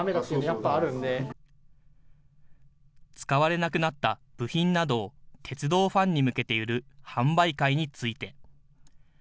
使われなくなった部品などを鉄道ファンに向けて売る販売会について。